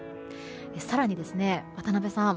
更に、渡辺さん